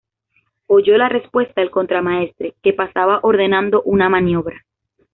oyó la respuesta el contramaestre, que pasaba ordenando una maniobra